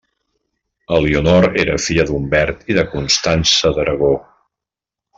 Elionor era filla d'Humbert i de Constança d'Aragó.